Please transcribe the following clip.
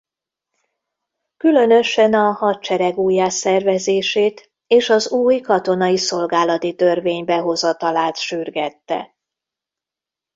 Különösen a hadsereg újjászervezését és az új katonai szolgálati törvény behozatalát sürgette.